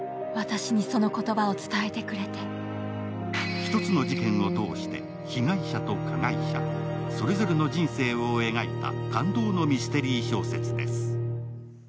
一つの事件を通して被害者と加害者それぞれの人生を描いた感動のミステリー小説です。